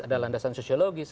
ada landasan sosiologis